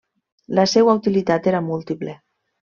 La seua utilitat era múltiple.